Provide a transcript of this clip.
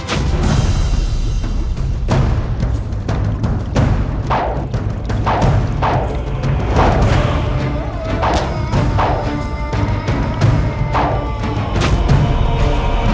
ini membuatku mengalami di ngejentak